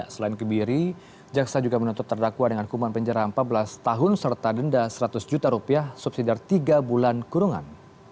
selain kebiri jaksa juga menutup terdakwa dengan kuman penjara empat belas tahun serta denda seratus juta rupiah subsidi dari tiga bulan kurungan